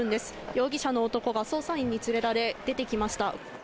容疑者の男が捜査員に連れられ出てきました。